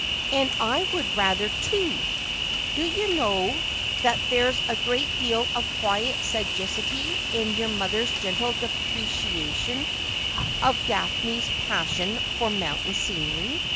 ' And I would rather, too.' ' Do you know that there is a great deal of quiet sagacity in your mother's gentle depreciation of Daphne's passion for mountain scenery?'